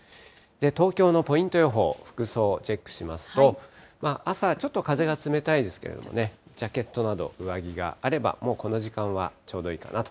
東京のポイント予報、服装、チェックしますと、朝、ちょっと風が冷たいですけれどもね、ジャケットなど、上着があれば、もうこの時間はちょうどいいかなと。